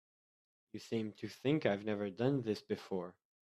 You seem to think I've never done this before.